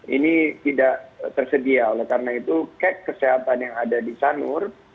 ini tidak tersedia oleh karena itu cak kesehatan yang ada di sanur